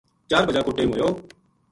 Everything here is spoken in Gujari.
چار بجا کو ٹیم ہویو